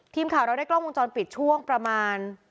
ทีมข่าวเราได้กล้องวงจรปิดช่วงประมาณ